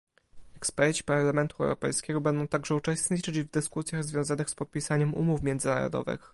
Eksperci Parlamentu Europejskiego będą także uczestniczyć w dyskusjach związanych z podpisaniem umów międzynarodowych